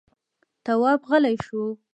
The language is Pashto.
تواب غلی شو.